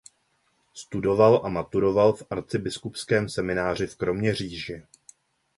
Studoval a maturoval v arcibiskupském semináři v Kroměříži.